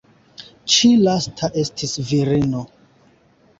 Ĉi lasta estis virino.